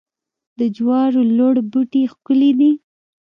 د جوارو لوړ بوټي ښکلي دي.